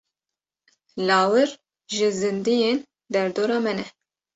Lawir ji zindiyên derdora me ne.